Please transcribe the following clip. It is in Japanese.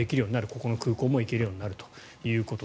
ここの空港にも行けるようになると。